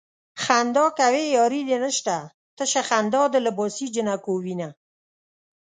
خندا کوې ياري دې نشته تشه خندا د لباسې جنکو وينه